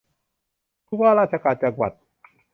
ผู้ว่าราชการจังหวัด